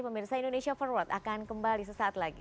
pemirsa indonesia forward akan kembali sesaat lagi